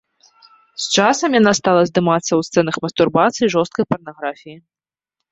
З часам яна стала здымацца ў сцэнах мастурбацыі і жорсткай парнаграфіі.